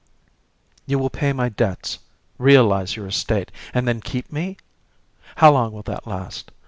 You will pay my debts, realize your estate, and then keep me? How long will that last?